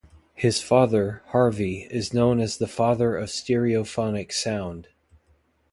His father, Harvey is known as the "Father of Stereophonic sound".